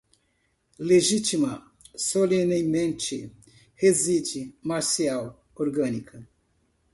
legítima, solenemente, reside, marcial, orgânica